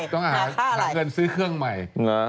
ต้องหาเงินซื้อเครื่องใหม่เหรอ